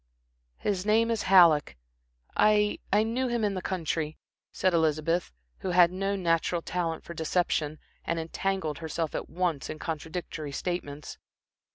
"His name is Halleck. I I knew him in the country," said Elizabeth, who had no natural talent for deception and entangled herself at once in contradictory statements.